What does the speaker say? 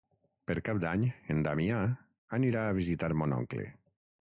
Per Cap d'Any en Damià anirà a visitar mon oncle.